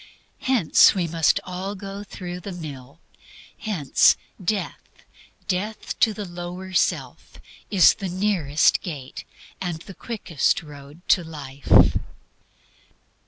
Hence we must all go through the mill. Hence death, death to the lower self, is the nearest gate and the quickest road to life.